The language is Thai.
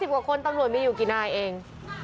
กว่าคนตำรวจมีอยู่กี่นายเอง